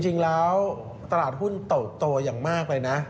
จริงแล้วตลาดหุ้นเติบโตอย่างมากเลยนะ